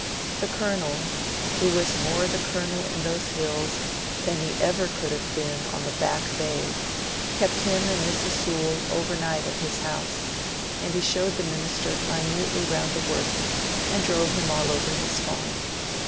The Colonel, who was more the Colonel in those hills than he could ever have been on the Back Bay, kept him and Mrs. Sewell over night at his house; and he showed the minister minutely round the Works and drove him all over his farm.